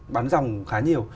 bán dòng khá nhiều